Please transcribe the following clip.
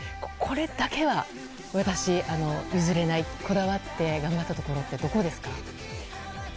これだけは私、譲れないとこだわって頑張ったところってどこですか？